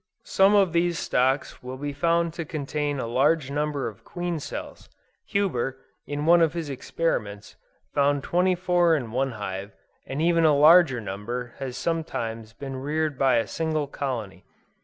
Some of these stocks will be found to contain a large number of queen cells. Huber, in one of his experiments, found twenty four in one hive, and even a larger number has sometimes been reared by a single colony.